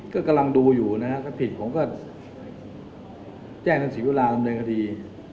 ก็กำลังดูอยู่นะครับถ้าผิดผมก็แจ้งทางสิวิทยุลาสัมเดณภ์คดี